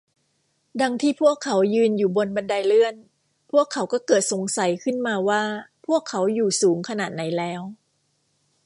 ดังที่พวกเขายืนอยู่บนบันไดเลื่อน พวกเขาก็เกิดสงสัยขึ้นมาว่าพวกเขาอยู่สูงขนาดไหนแล้ว